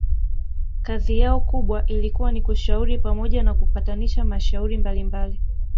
kazi yao kubwa ilikuwa ni kushauri pamoja na kupatanisha mashauri mbalimbali